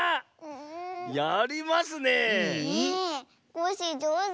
コッシーじょうず。